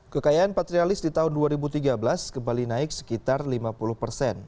kekayaan patrialis di tahun dua ribu tiga belas kembali naik sekitar lima puluh persen